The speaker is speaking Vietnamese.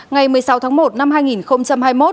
ngày một mươi sáu tháng một năm hai nghìn hai mươi một